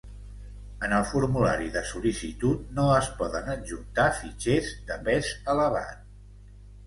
En el formulari de sol·licitud no es poden adjuntar fitxers de pes elevat.